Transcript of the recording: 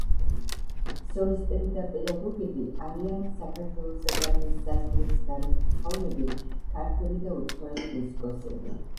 სოლისტები და პედაგოგები არიან საქართველოსა და მის საზღვრებს გარეთ მცხოვრები ქართველი და უცხოელი მუსიკოსები.